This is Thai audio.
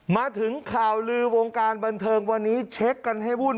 มาถึงข่าวลือวงการบันเทิงวันนี้เช็คกันให้วุ่น